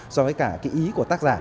so với cả cái ý của tác giả